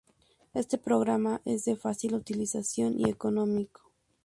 Este programa, es de fácil utilización y económico.